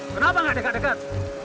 kenapa gak dekat dekat